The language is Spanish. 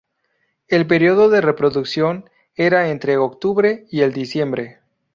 El período de reproducción era entre el octubre y el diciembre.